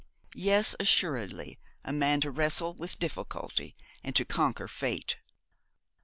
Yes, assuredly a man to wrestle with difficulty, and to conquer fate.